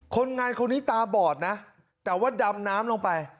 คนงานคนนี้ตาบอดนะแต่ว่าดำน้ำลงไป